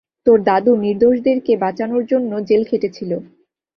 তোর দাদু নির্দোষদেরকে বাঁচানোর জন্য জেল খেটেছিল।